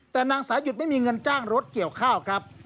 แต่นางสายหยุดไม่มีเงินจ้างรถเกี่ยวข้าวครับ